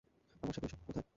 আমার সাথে এসো, - কোথায়?